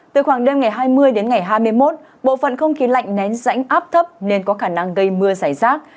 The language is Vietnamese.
từ khoảng đêm ngày hai mươi đến ngày hai mươi một bộ phận không khí lạnh nén rãnh áp thấp nên có khả năng gây mưa dày rác